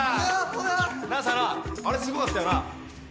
なあ佐野あれすごかったよな？